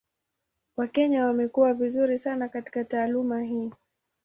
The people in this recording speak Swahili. Wakenya wamekuwa vizuri sana katika taaluma hii.